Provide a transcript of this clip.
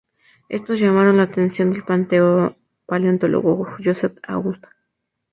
Estas llamaron la atención del paleontólogo Josef Augusta.